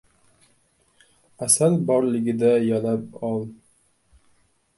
• Asal borligida yalab ol.